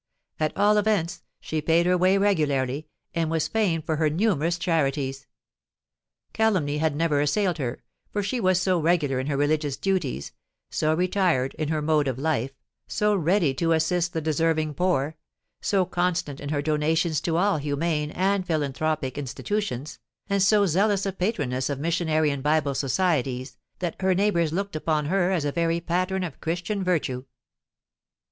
At all events, she paid her way regularly—and was famed for her numerous charities. Calumny had never assailed her; for she was so regular in her religious duties—so retired in her mode of life—so ready to assist the deserving poor—so constant in her donations to all humane and philanthropic institutions—and so zealous a patroness of Missionary and Bible Societies, that her neighbours looked upon her as a very pattern of Christian virtue.